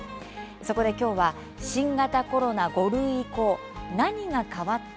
そこで今日は「新型コロナ５類移行何が変わった？